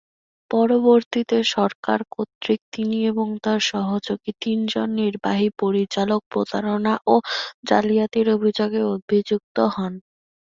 পরবর্তীতে সরকার কর্তৃক তিনি এবং তাঁর সহযোগী তিনজন নির্বাহী পরিচালক প্রতারণা ও জালিয়াতির অভিযোগে অভিযুক্ত হন।